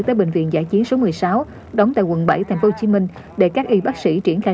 tới bệnh viện giải chiến số một mươi sáu đóng tại quận bảy tp hcm để các y bác sĩ triển khai